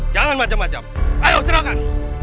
jangan macam macam ayo serahkan